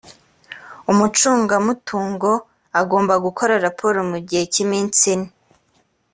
umucungamutungo agomba gukora raporo mu gihe cy iminsi ine